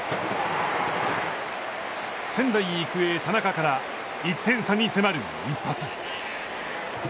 仙台育英、田中から１点差に迫る一発。